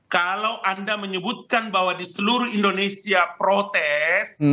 kalau anda menyebutkan bahwa di seluruh indonesia protes